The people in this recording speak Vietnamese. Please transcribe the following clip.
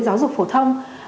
giáo dục phổ thông